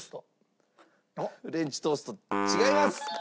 フレンチトースト違います。